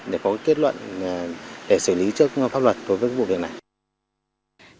để có kết luận để xử lý trước pháp luật đối với vụ việc này